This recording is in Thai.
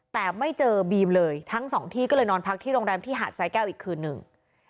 แต่ไม่เจอบีมเลยทั้งสองที่ก็เลยนอนพักที่โรงแรมที่หาดสายแก้วอีกคืนหนึ่ง